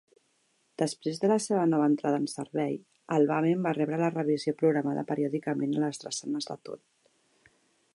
Després de la seva nova entrada en servei, el "Vammen" va rebre la revisió programada periòdicament a les drassanes de Todd.